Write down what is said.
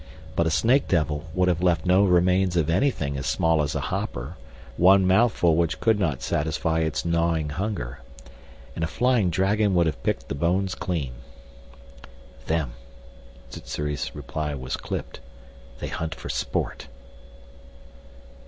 But a snake devil would have left no remains of anything as small as a hopper, one mouthful which could not satisfy its gnawing hunger. And a flying dragon would have picked the bones clean. "Them!" Sssuri's reply was clipped. "They hunt for sport."